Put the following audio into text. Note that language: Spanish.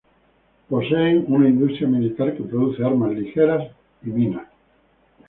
Poseen una industria militar que produce armas ligeras y minas.